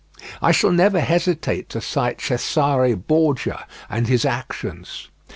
I shall never hesitate to cite Cesare Borgia and his actions.